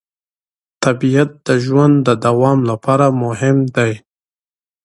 طبیعت د ژوند د دوام لپاره مهم دی